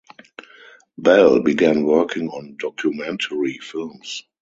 Belle began working on documentary films.